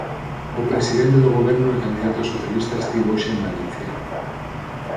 O presidente do goberno e candidato socialista estivo hoxe en Valencia.